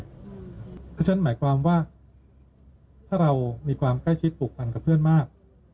เพราะฉะนั้นหมายความว่าถ้าเรามีความใกล้ชิดผูกพันกับเพื่อนมาก